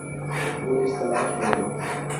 وہ اس تلاش میں تھے